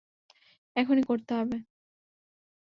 এখনই করতে হবে।